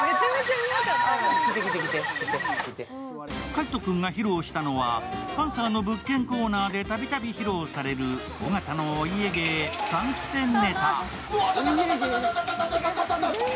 海音君が披露したのは、パンサーの物件コーナーでたびたび披露される尾形のお家芸、換気扇ネタ。